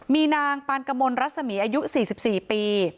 มีนางปานกะมนต์รัสสมีอายุ๔๔ปี